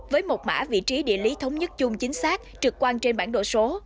với một mã vị trí địa lý thống nhất chung chính xác trực quan trên bản đồ số